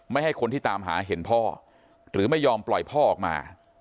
ให้คนที่ตามหาเห็นพ่อหรือไม่ยอมปล่อยพ่อออกมา